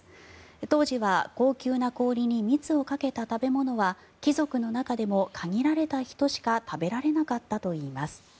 当時は高級な氷に蜜をかけた食べ物は貴族の中でも限られた人しか食べられなかったといいます。